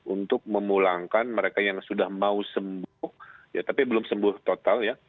untuk memulangkan mereka yang sudah mau sembuh tapi belum sembuh total ya